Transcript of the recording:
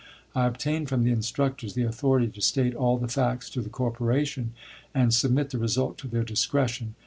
I obtained from the instructors the authority to state all the facts to the Corporation, and submit the result to their discretion.